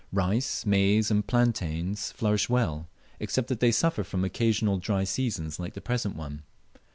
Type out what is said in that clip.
Rice, maize, and plantains flourish well, except that they suffer from occasional dry seasons like the present one.